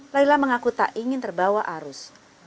laila mengaku tak ingin terbawa arus